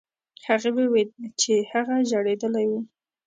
هغې وویل چې هغه ژړېدلی و.